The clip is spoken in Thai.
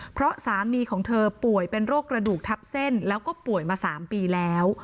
เพราะสามีของเธอป่วยเป็นโรคกระดูกทับเส้นแล้วก็ป่วยมา๓ปีแล้ว